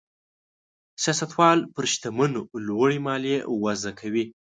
سیاستوال پر شتمنو لوړې مالیې وضع کوي.